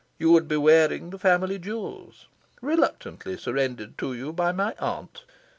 You would be wearing the family jewels, reluctantly surrendered to you by my aunt.